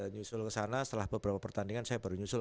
nyusul ke sana setelah beberapa pertandingan saya baru nyusul